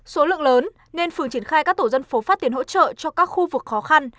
số lượng lớn nên phường triển khai các tổ dân phố phát tiền hỗ trợ cho các khu vực khó khăn